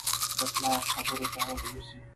د پلار خبرو ته غوږ نیسي.